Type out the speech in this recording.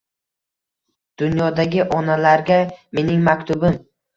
Dunyodagi onalarga mening maktubim